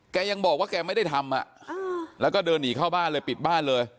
แกยังบอกว่าแกไม่ได้ทำแล้วก็เดินหนีเข้าบ้านเลยปิดบ้านเลย